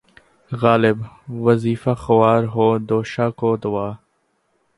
غالبؔ! وظیفہ خوار ہو‘ دو شاہ کو دعا